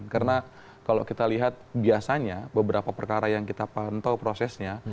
karena kalau kita lihat biasanya beberapa perkara yang kita pantau prosesnya